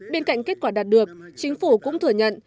bên cạnh kết quả đạt được chính phủ cũng thừa nhận